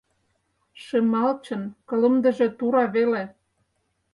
Шымалчын кылымдыже тура веле.